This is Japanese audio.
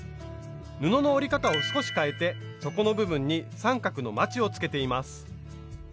布の折り方を少しかえて底の部分に三角のまちをつけています。